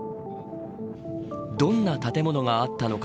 どんな建物があったのか